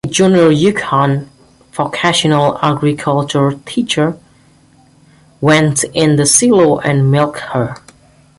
Dickey Junior Yukon vocational agriculture teacher, went in the silo and milked her.